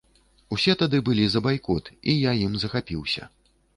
Усе тады былі за байкот, і я ім захапіўся.